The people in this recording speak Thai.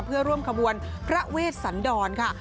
เพื่อร่วมขบวนพระเวชสันดรค่ะ